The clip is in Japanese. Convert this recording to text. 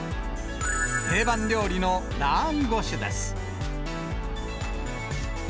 定番料理のラーンゴシュです。